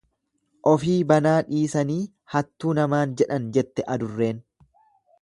Ofii banaa dhiisanii hattuu namaan jedhan jette adurreen.